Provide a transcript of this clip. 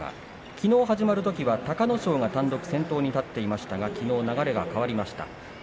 きのう始まるときは隆の勝が単独先頭に立っていましたけど流れが変わりました。